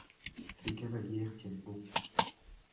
Des cavalières tiennent bon.